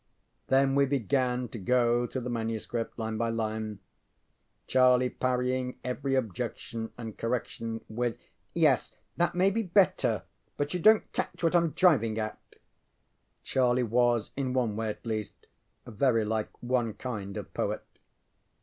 Then we began to go through the MS. line by line; Charlie parrying every objection and correction with: ŌĆ£Yes, that may be better, but you donŌĆÖt catch what IŌĆÖm driving at. ŌĆØ Charlie was, in one way at least, very like one kind of poet.